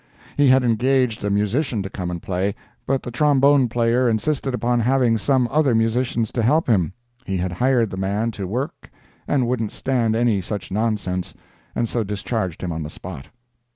He had engaged a musician to come and play, but the trombone player insisted upon having some other musicians to help him. He had hired the man to work and wouldn't stand any such nonsense, and so discharged him on the spot.